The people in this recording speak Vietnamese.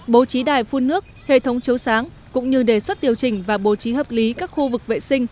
bố trí đài phun nước hệ thống chấu sáng cũng như đề xuất điều chỉnh và bố trí hợp lý các khu vực vệ sinh